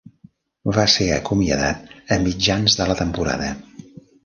Va ser acomiadat a mitjans de la temporada.